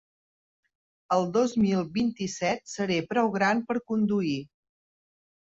Al dos mil vint-i-set seré prou gran per conduir.